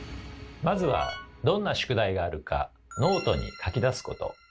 まずはどんな宿題があるかノートに書き出すこと。